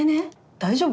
大丈夫？